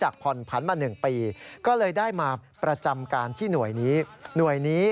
ก็เลยได้มาประจำกันที่หน่วยนี้